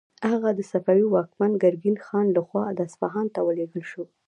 هغه د صفوي واکمن ګرګین خان لخوا اصفهان ته ولیږل شو.